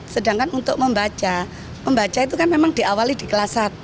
sedangkan untuk membaca membaca itu kan memang diawali di kelas satu